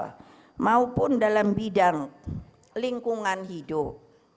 walaupun dalam bidang lingkungan hidup